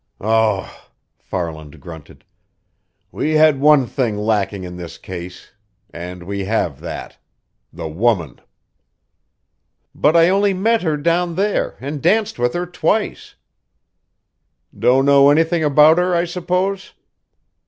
"Um!" Farland grunted. "We had one thing lacking in this case and we have that. The woman!" "But I only met her down there and danced with her twice." "Don't know anything about her, I suppose?"